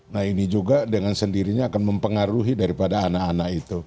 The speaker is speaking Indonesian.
nah ini juga dengan sendirinya akan mempengaruhi daripada anak anak itu